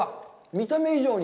見た目以上に。